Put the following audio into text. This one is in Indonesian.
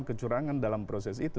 kecurangan dalam proses itu